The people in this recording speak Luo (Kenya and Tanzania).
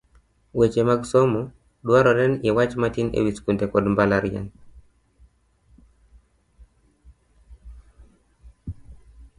Weche mag Somo, dwarore ni iwach matin e wi skunde kod mbalariany